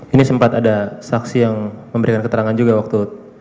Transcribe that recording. ini sempat ada saksi yang memberikan keterangan juga waktu